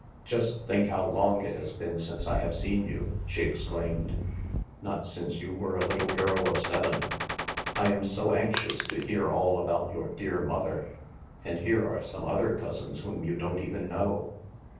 "Just think how long it has been since I have seen you," she exclaimed. Not since you were a Uttle girl of seven. I am so anxious to hear all about your dear mother. ... And here are some other cousins whom you don't even know.